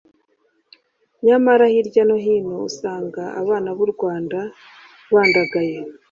nyamara hirya no hino usanga abana b’u Rwanda bandagaye